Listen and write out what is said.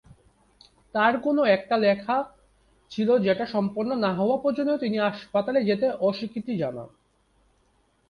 তার কোন একটি লেখা ছিল যেটা সম্পন্ন না হওয়া পর্যন্ত তিনি হাসপাতালে যেতে অস্বীকৃতি জানান।